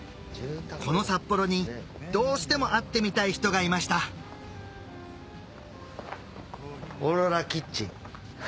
この札幌にどうしても会ってみたい人がいました「オーロラキッチン」。